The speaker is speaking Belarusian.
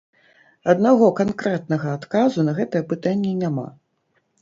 Аднаго канкрэтнага адказу на гэтае пытанне няма.